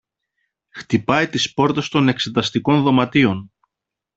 χτυπάει τις πόρτες των εξεταστικών δωματίων